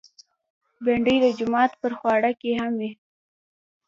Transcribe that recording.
بېنډۍ د جومات پر خواړه کې هم وي